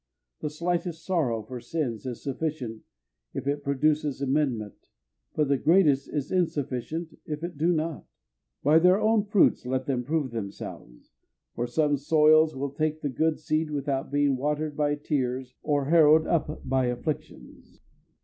The slightest sorrow for sins is sufficient if it produces amendment, but the greatest is insufficient if it do not. By their own fruits let them prove themselves, for some soils will take the good seed without being watered by tears or harrowed up by afflictions.